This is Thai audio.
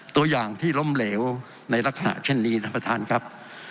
ตัวอย่างที่ล้มเหลวในลักษณะเช่นนี้ท่านประธานครับ